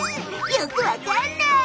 よく分かんない！